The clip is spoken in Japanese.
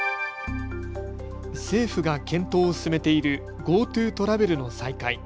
政府が検討を進めているＧｏＴｏトラベルの再開。